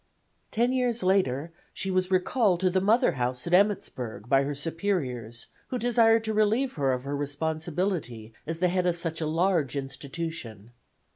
Ten years later she was recalled to the mother house at Emmittsburg by her superiors, who desired to relieve her of her responsibility as the head of such a large institution.